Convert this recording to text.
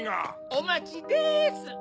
おまちです！